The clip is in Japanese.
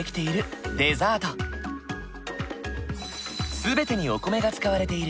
全てにお米が使われている。